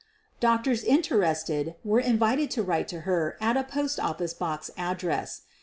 '' Doctors interested were invited to write her at a post office box address.